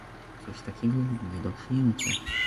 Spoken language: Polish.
Coś takiego jest nie do przyjęcia